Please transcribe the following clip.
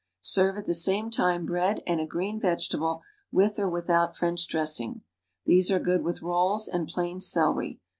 Serve at the same time bread and a green vegetable with or without French dressing. These are good with rolls and plain celery.